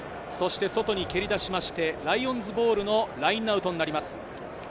外に蹴り出しまして、ライオンズボールのラインアウトになります。